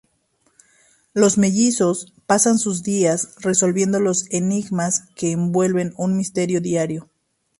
Los mellizos "pasan sus días resolviendo los enigmas que envuelve un misterioso diario.